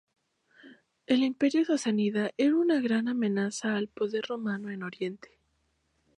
El Imperio sasánida era una gran amenaza al poder romano en Oriente.